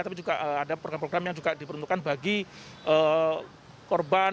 tapi juga ada program program yang juga diperuntukkan bagi korban